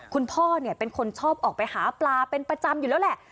คุณพ่อเนี่ยเป็นคนชอบออกไปหาปลาเป็นประจำอยู่แล้วแหละ